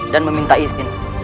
dan meminta izin